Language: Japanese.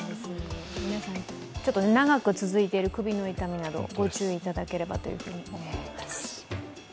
長く続いている首の痛みなど御注意いただければと思います。